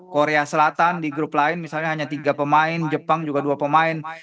korea selatan di grup lain misalnya hanya tiga pemain jepang juga dua pemain